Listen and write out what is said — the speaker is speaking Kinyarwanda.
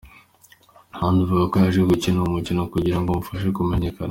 Hadi avuga ko yaje gukina uwo mukino kugira ngo umufashe kumenyekana.